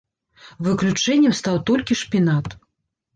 Выключэннем стаў толькі шпінат.